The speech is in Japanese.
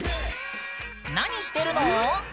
何してるの？